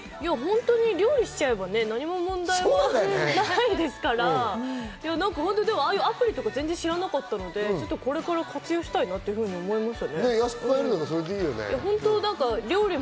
料理しちゃえば、何も問題はないわけですから、ああいうアプリとか全然知らなかったので、これから活用したいなと思いました。